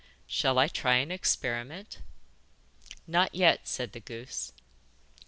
Shall I try an experiment?' 'Not yet,' said the goose.